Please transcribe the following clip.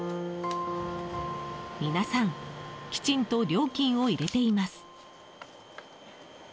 皆さん、きちんと料金を入れています。